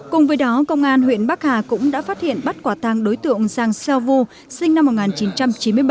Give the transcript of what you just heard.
cùng với đó công an huyện bắc hà cũng đã phát hiện bắt quả tàng đối tượng sang xeo vu sinh năm một nghìn chín trăm chín mươi bảy